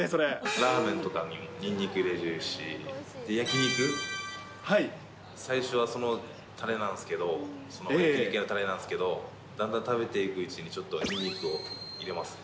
ラーメンとかにもにんにく入れるし、焼き肉、最初はたれなんですけど、焼き肉屋のたれなんですけど、だんだん食べていくうちにちょっと、にんにくを入れます。